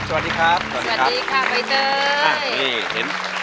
สวัสดีครับใบเตย